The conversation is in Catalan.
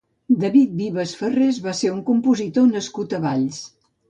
David Vives Farrés va ser un compositor nascut a Valls.